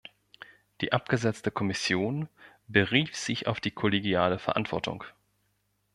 Die abgesetzte Kommission berief sich auf die kollegiale Verantwortung.